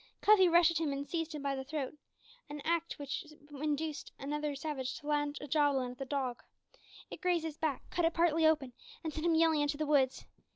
Cuffy rushed at him and seized him by the throat, an act which induced another savage to launch a javelin at the dog. It grazed his back, cut it partly open, and sent him yelling into the woods.